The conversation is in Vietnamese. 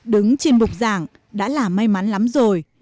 đứng trên bục giảng đã là may mắn lắm rồi